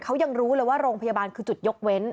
เขายังรู้เลยว่าโรงพยาบาลคือจุดยกเว้น